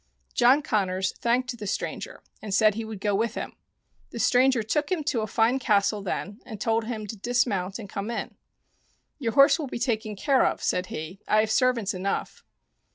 John Connors thanked the stranger and said he would go with him. The stranger took him to a fine castle then, and told him to dismount and come in. " Your horse will be taken care of," said he, " I have servants enough."